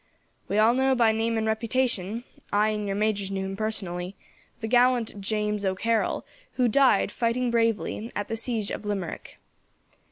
We all know by name and reputation I and your majors knew him personally the gallant James O'Carroll, who died, fighting bravely, at the siege of Limerick.